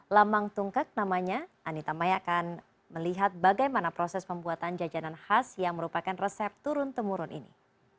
lambang tungkak namanya anita maya akan melihat bagaimana proses pembuatan jajanan khas yang merupakan resep turun temurun ini